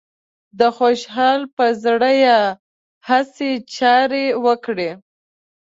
د خوشحال پر زړه يې هسې چارې وکړې